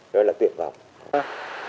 đó là tuyệt vọng